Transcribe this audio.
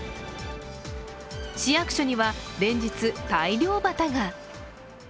市役所には連日、大漁旗が。